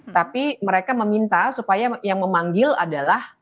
tapi mereka meminta supaya yang memanggil adalah